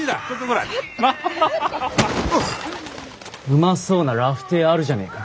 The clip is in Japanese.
うまそうなラフテーあるじゃねえか。